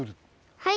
はい。